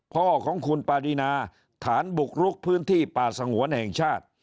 พ่อของคุณปารีนาฐานบุกรุกพื้นที่ป่าสงวนแห่งชาติ